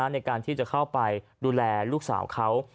ในการที่จะเข้าไปดูแลลูกสาวเขา